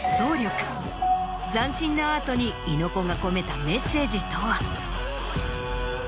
斬新なアートに猪子が込めたメッセージとは？